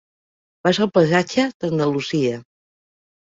Vaig al passatge d'Andalusia.